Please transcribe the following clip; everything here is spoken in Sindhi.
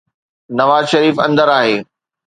نواز شريف اندر آهي.